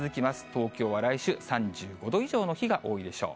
東京は来週、３５度以上の日が多いでしょう。